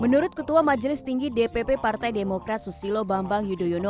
menurut ketua majelis tinggi dpp partai demokrat susilo bambang yudhoyono